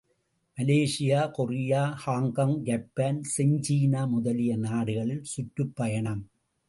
● Malaysia, Korea, Hong Kong, Japan, செஞ்சீனா முதலிய நாடுகளில் சுற்றுப்பயணம்.